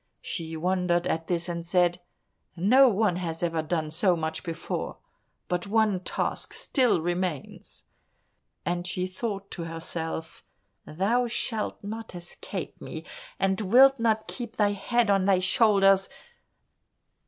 She wondered at this and said, "No one has ever done so much before, but one task still remains," and she thought to herself, "Thou shalt not escape me, and wilt not keep thy head on thy shoulders!